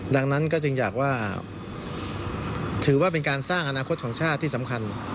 ดังนั้นก็จึงอยากว่าถือว่าเป็นการสร้างอนาคตของชาติที่สำคัญ